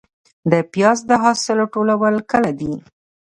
د پیاز د حاصل ټولول کله دي؟